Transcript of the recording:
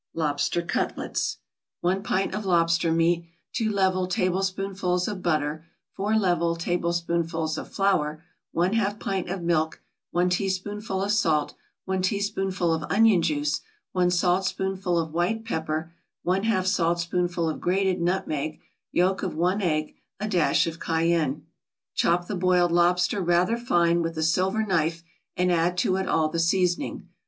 LOBSTER CUTLETS 1 pint of lobster meat 2 level tablespoonfuls of butter 4 level tablespoonfuls of flour 1/2 pint of milk 1 teaspoonful of salt 1 teaspoonful of onion juice 1 saltspoonful of white pepper 1/2 saltspoonful of grated nutmeg Yolk of one egg A dash of cayenne Chop the boiled lobster rather fine with a silver knife, and add to it all the seasoning.